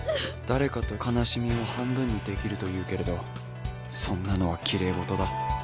「誰かと悲しみを半分にできるというけれどそんなのは奇麗事だ」